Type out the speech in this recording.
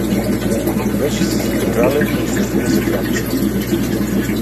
Речиси сите кралеви во суштина се крадци.